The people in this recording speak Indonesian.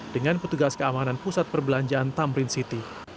dengan petugas keamanan pusat perbelanjaan tamrin city